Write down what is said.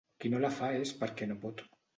Qui no la fa és perquè no pot.